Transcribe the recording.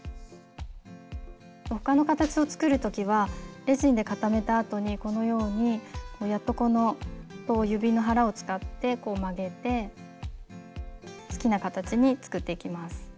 他の形を作る時はレジンで固めた後にこのようにやっとこと指の腹を使って曲げて好きな形に作っていきます。